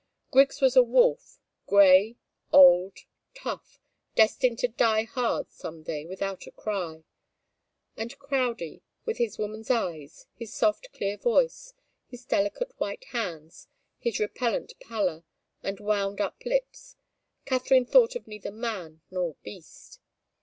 Griggs was a wolf, grey, old, tough, destined to die hard some day without a cry. And Crowdie with his woman's eyes, his soft, clear voice, his delicate white hands, his repellent pallor, and wound like lips Katharine thought of neither man nor beast.